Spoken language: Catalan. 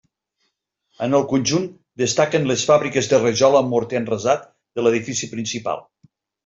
En el conjunt destaquen les fàbriques de rajola amb morter enrasat de l'edifici principal.